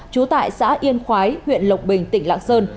trú tại xã yên khói huyện lộc bình tỉnh lạng sơn